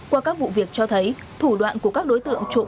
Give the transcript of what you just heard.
qua các vụ việc cho thấy thủ đoạn của các đối tượng trộm xe máy